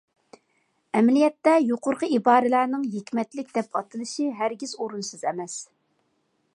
ئەمەلىيەتتە، يۇقىرىقى ئىبارىلەرنىڭ ھېكمەتلىك دەپ ئاتىلىشى ھەرگىز ئورۇنسىز ئەمەس.